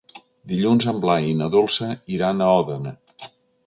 Dilluns en Blai i na Dolça iran a Òdena.